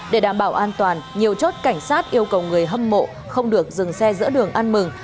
để đảm bảo an toàn nhiều chốt cảnh sát yêu cầu người hâm mộ không được dừng xe giữa đường ăn mừng